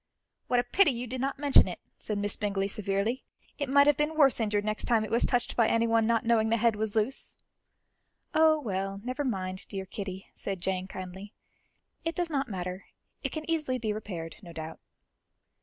"What a pity you did not mention it," said Miss Bingley severely; "it might have been worse injured next time it was touched by anyone not knowing the head was loose." "Oh, well, never mind, dear Kitty," said Jane kindly; "it does not matter; it can easily be repaired, no doubt."